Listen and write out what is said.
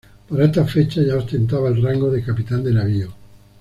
Para estas fechas ya ostentaba el rango de capitán de navío.